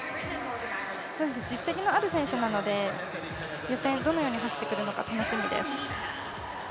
実績のある選手なので、予選どのように走るのか楽しみです。